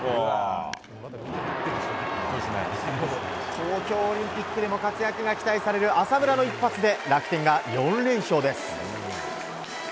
東京オリンピックでも活躍が期待される浅村の一発で楽天が４連勝です。